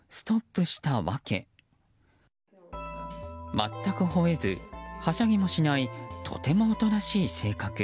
全くほえず、はしゃぎもしないとてもおとなしい性格。